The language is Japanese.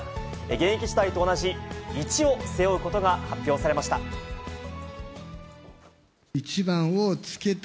現役時代と同じ１を背負うことが発表されました。